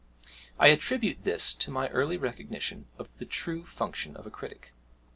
I attribute this to my early recognition of the true function of a critic.